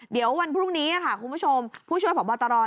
เดี๋ยววันพรุ่งนี้ค่ะคุณผู้ชมผู้ช่วยผอบตร